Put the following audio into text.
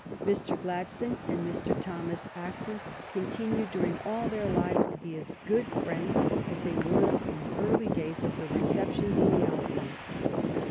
Mr. Gladstone and Sir Thomas Acland continued during all their lives to be as good friends as they were in the old days of the receptions in the Albany.